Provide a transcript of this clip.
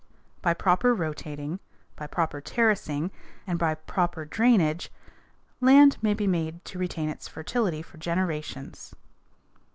By proper rotating, by proper terracing, and by proper drainage, land may be made to retain its fertility for generations.